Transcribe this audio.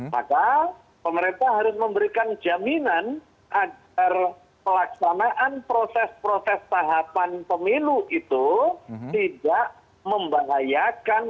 maka pemerintah harus memberikan jaminan agar pelaksanaan proses proses tahapan pemilu itu tidak membahayakan